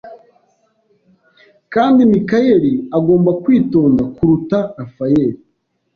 kandi Mikayeli agomba kwitonda kuruta Rafayeli